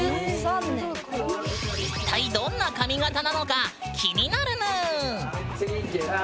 一体どんな髪形なのか気になるぬん。